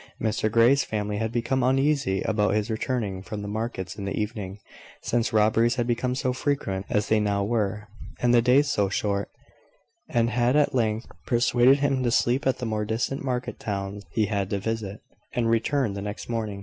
Mr Grey's family had become uneasy about his returning from the markets in the evening, since robberies had become so frequent as they now were, and the days so short; and had at length persuaded him to sleep at the more distant market towns he had to visit, and return the next morning.